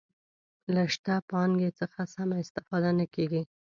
له شته پانګې څخه سمه استفاده نه کیږي.